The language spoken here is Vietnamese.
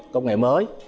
công nghệ mới